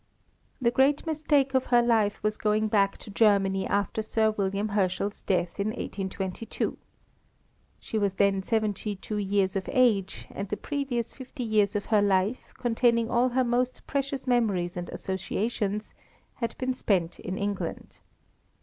The great mistake of her life was going back to Germany after Sir W. Herschel's death in 1822. She was then seventy two years of age, and the previous fifty years of her life, containing all her most precious memories and associations, had been spent in England.